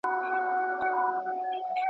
په شېلو کي پړانګ په منډو کړ ځان ستړی `